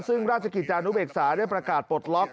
ซึ่งราชกิจจานุเบกษาได้ประกาศปลดล็อก